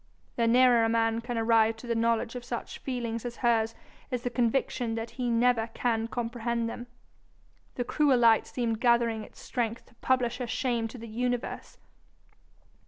The nearer a man can arrive to the knowledge of such feelings as hers is the conviction that he never can comprehend them. The cruel light seemed gathering its strength to publish her shame to the universe.